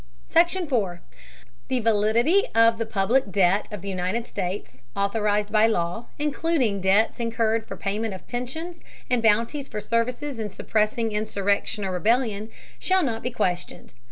SECTION 4. The validity of the public debt of the United States, authorized by law, including debts incurred for payment of pensions and bounties for services in suppressing insurrection or rebellion, shall not be questioned.